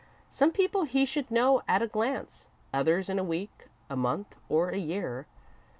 Some people he should know at a glance, others in a week, a month, or a year.